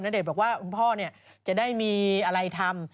เดชบอกว่าคุณพ่อจะได้มีอะไรทำ